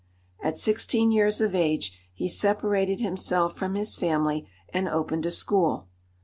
At sixteen years of age he separated himself from his family and opened a school.